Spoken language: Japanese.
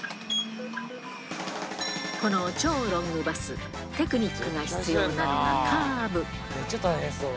この超ロングバス、テクニックが必要なのがカーブ。